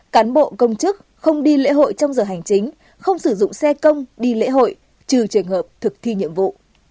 cán bộ công chức không đi lễ hội trong giờ hành chính không sử dụng xe công đi lễ hội trừ trường hợp thực thi nhiệm vụ